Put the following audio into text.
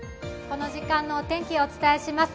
この時間のお天気をお伝えします。